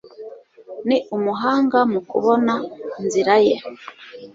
Ni umuhanga mu kubona inzira ye.